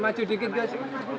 masuk sedikit gus